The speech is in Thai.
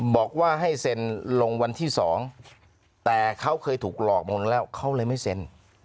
บอกว่าให้เซ็นลงวันที่๒แต่เขาเคยถูกหลอกหมดแล้วเขาเลยไม่เซ็น